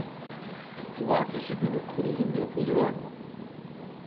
Cumartesi günü kurulum yapılıyor mu